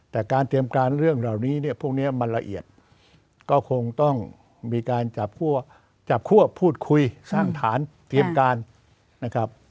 แต่การเตรียมการเรื่องเหล่านี้เนี่ยพวกนี้มันละเอียดก็คงต้องมีการจับคั่วพูดคุยสร้างฐานเตรียมการนะครับ